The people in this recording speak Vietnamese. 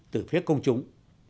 từ phía công chúng